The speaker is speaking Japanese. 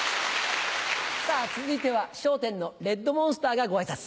続いては『笑点』のレッドモンスターがご挨拶。